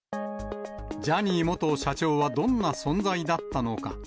ジャニー元社長はどんな存在だったのか。